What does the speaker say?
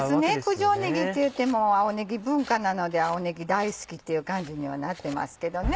九条ねぎっていってもう青ねぎ文化なので青ねぎ大好きっていう感じにはなってますけどね。